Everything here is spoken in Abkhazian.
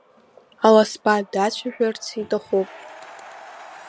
Аласба дацәажәарц иҭахуп.